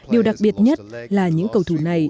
điều đặc biệt nhất là những cầu thủ này